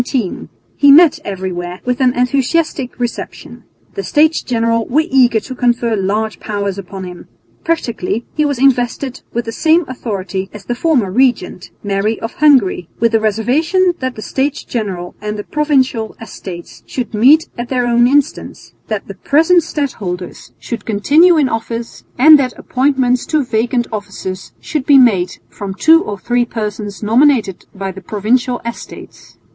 He met everywhere with an enthusiastic reception. The States General were eager to confer large powers upon him. Practically he was invested with the same authority as the former regent, Mary of Hungary, with the reservation that the States General and the Provincial Estates should meet at their own instance, that the present stadholders should continue in office, and that appointments to vacant offices should be made from two or three persons nominated by the Provincial Estates.